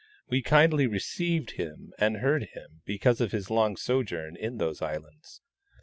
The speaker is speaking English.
We kindly received him and heard him because of his long sojourn in those islands.